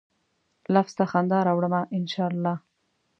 لفظ ته خندا راوړمه ، ان شا الله